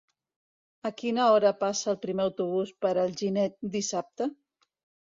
A quina hora passa el primer autobús per Alginet dissabte?